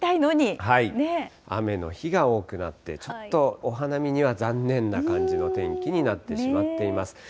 雨の日が多くなって、ちょっとお花見には残念な感じの天気になってしまっています。